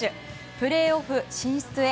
プレーオフ進出へ。